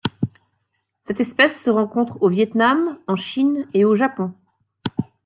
Cette espèce se rencontre au Viêt Nam, en Chine et au Japon.